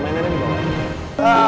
mainannya di bawah